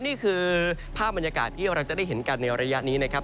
นี่คือภาพบรรยากาศที่เราจะได้เห็นกันในระยะนี้นะครับ